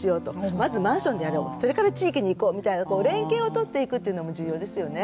まずマンションでやろうそれから地域に行こうみたいな連携をとっていくというのも重要ですよね。